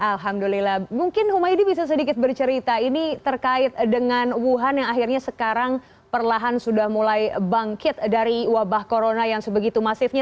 alhamdulillah mungkin humaydi bisa sedikit bercerita ini terkait dengan wuhan yang akhirnya sekarang perlahan sudah mulai bangkit dari wabah corona yang sebegitu masifnya